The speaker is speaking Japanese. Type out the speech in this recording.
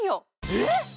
えっ⁉